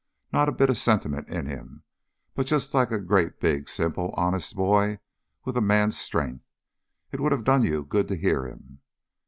Not a bit of sentiment in him; but just like a great big, simple, honest boy, with a man's strength. It would have done you good to hear him!"